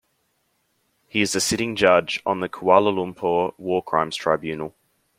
He is a sitting Judge on the Kuala Lumpur War Crimes Tribunal.